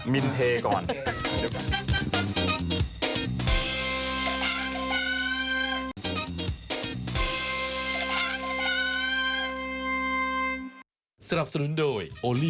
มินเทก่อน